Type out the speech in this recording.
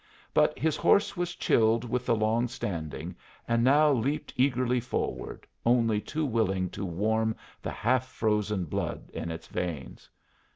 But his horse was chilled with the long standing, and now leaped eagerly forward, only too willing to warm the half frozen blood in its veins.